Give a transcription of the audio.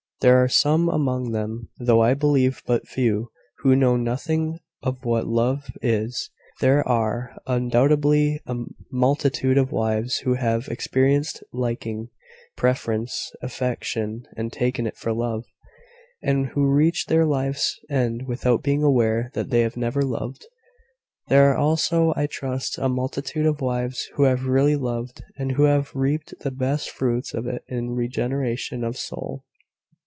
There are some among them, though I believe but few, who know nothing of what love is; and there are, undoubtedly, a multitude of wives who have experienced liking, preference, affection, and taken it for love; and who reach their life's end without being aware that they have never loved. There are also, I trust, a multitude of wives who have really loved, and who have reaped the best fruits of it in regeneration of soul."